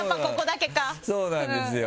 そうなんですよ